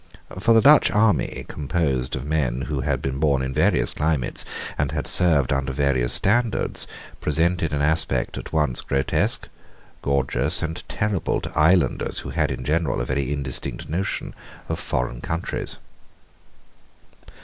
For the Dutch army, composed of men who had been born in various climates, and had served under various standards, presented an aspect at once grotesque, gorgeous, and terrible to islanders who had, in general, a very indistinct notion of foreign countries.